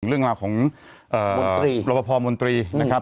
เรื่องราวของมนตรีรพมนตรีนะครับ